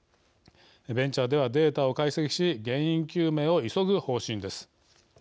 ベンチャーではデータを解析し原因究明を急ぐ方針です。